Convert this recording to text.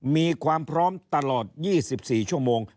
มีความพร้อมตลอด๒๔ชั่วโมง